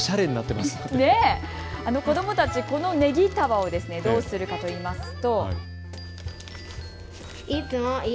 子どもたち、このねぎ束をどうするかといいますと。